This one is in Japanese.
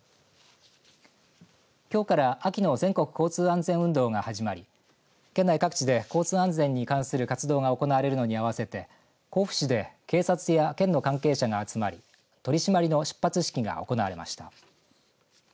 きょうから秋の全国交通安全運動が始まり県内各地で交通安全に関する活動が行われるのにあわせて甲府市で警察や県の関係者が集まり取り締まりの出発式が行われました。